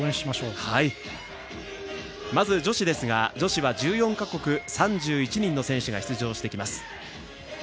まず女子ですが、女子は１４か国３１人の選手が出場です。